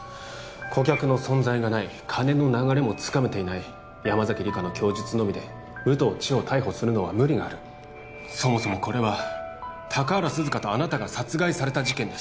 顧客の存在がない金の流れもつかめていない山崎莉果の供述のみで武藤千代を逮捕するのは無理があるそもそもこれは高原涼香とあなたが殺害された事件です